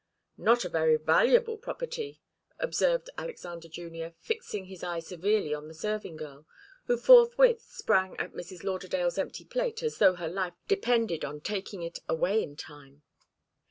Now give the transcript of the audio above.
"Not a very valuable property," observed Alexander Junior, fixing his eye severely on the serving girl, who forthwith sprang at Mrs. Lauderdale's empty plate as though her life depended on taking it away in time.